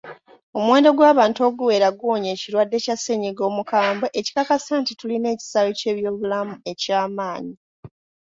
Omuwendo gw'abantu oguwera guwonye ekirwadde kya ssennyiga omukambwe ekikakasa nti tulina ekisaawe ky'ebyobulamu eky'amaanyi.